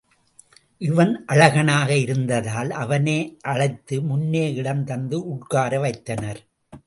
இவன் அழகனாக இருந்ததால் அவனை அழைத்து முன்னே இடம் தந்து உட்கார வைத்தனர்.